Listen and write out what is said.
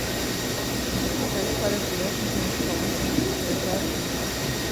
The first part of "Reel" contains poems in terza rima.